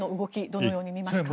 どのように見ますか。